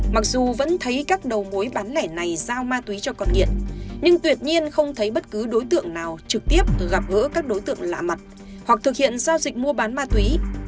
mặc dù vẫn thấy các đầu mối bán lẻ này giao ma túy cho con nghiện nhưng tuyệt nhiên không thấy bất cứ đối tượng nào trực tiếp gặp gỡ các đối tượng lạ mặt hoặc thực hiện giao dịch mua bán ma túy